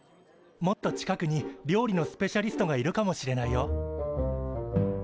もっと近くに料理のスペシャリストがいるかもしれないよ。